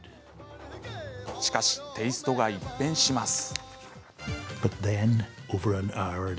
しかし、テーストが一変します。